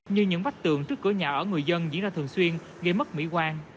như những vách tường trước cửa nhà ở người dân diễn ra thường xuyên gây mất mỹ quan